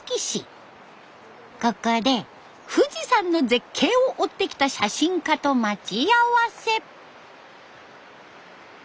ここで富士山の絶景を追ってきた写真家と待ち合わせ。